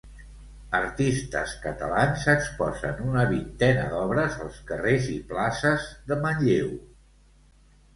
Artistes catalans exposen una vintena d'obres als carrers i places de Manlleu.